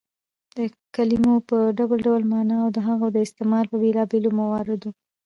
د کلیمو په ډول ډول ماناوو او د هغو د استعمال په بېلابيلو مواردو